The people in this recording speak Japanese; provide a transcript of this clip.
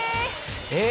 え！